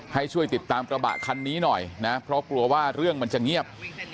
ให้ช่วยติดตามกระบะคันนี้หน่อยนะเพราะกลัวว่าเรื่องมันจะเงียบ